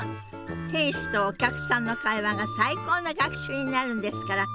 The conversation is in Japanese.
店主とお客さんの会話が最高の学習になるんですから。